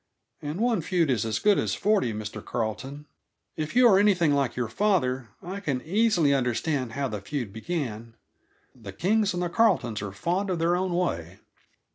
And one feud is as good as forty, Mr. Carleton. If you are anything like your father, I can easily understand how the feud began. The Kings and the Carletons are fond of their own way."